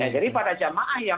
jadi para jamaah yang